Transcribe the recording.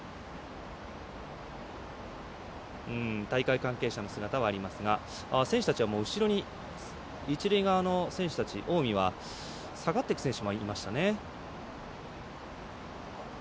大会関係者の姿はありますが一塁側の選手たち、近江は後ろに下がっていく選手もいました。